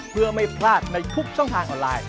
เพื่อไม่พลาดในทุกช่องทางออนไลน์